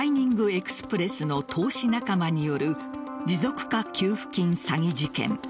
エクスプレスの投資仲間による持続化給付金詐欺事件。